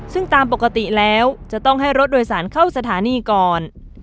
ซึ่งตามปกติแล้วจะต้องให้รถโดยสารเข้าสถานีก่อน